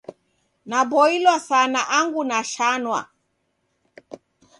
Naboilwa sana angu nashanwa.